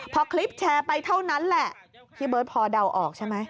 พอคลิปแชร์ไปเท่านั้นแหละพี่เบิร์ตพอเดาออกใช่ไหม